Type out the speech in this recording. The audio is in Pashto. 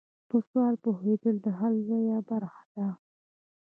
په سوال پوهیدل د حل لویه برخه ده.